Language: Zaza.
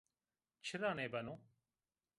Çira nêbeno?